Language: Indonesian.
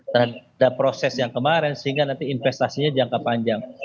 terhadap proses yang kemarin sehingga nanti investasinya jangka panjang